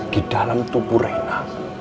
di dalam tubuh reina